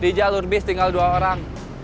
di jalur bis tinggal dua orang